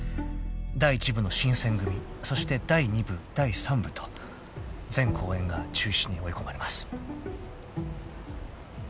［第一部の『新選組』そして第二部第三部と全公演が中止に追い込まれます］